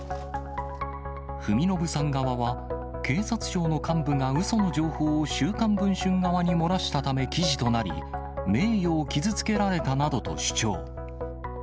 文信さん側は警察庁の幹部がうその情報を週刊文春側に漏らしたため記事となり、名誉を傷つけられたなどと主張。